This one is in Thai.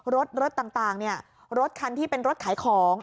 รถรถต่างรถคันที่เป็นรถขายของ